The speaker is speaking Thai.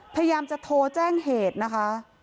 พยายามจะโทรแจ้งเหตุนะคะ